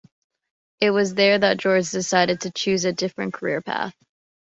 It was there that George decided to choose a different career path.